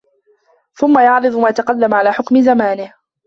ثُمَّ يَعْرِضَ مَا تَقَدَّمَ عَلَى حُكْمِ زَمَانِهِ